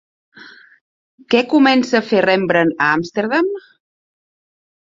Què comença a fer Rembrandt a Amsterdam?